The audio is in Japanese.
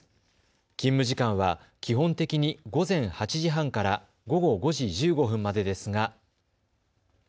勤務時間は基本的に午前８時半から午後５時１５分までですが。